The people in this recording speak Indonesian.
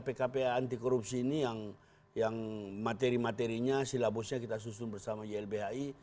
pkpa anti korupsi ini yang materi materinya silabusnya kita susun bersama ylbhi